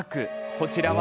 こちらは？